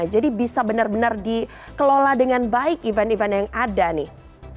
jadi bisa benar benar dikelola dengan baik event event yang ada nih